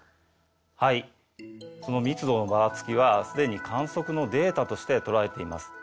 はいその「密度のばらつき」はすでに観測のデータとしてとらえています。